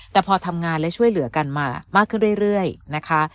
แต่พอทำงานและช่วยเหลือกันมามากขึ้นเรื่อยนะคะ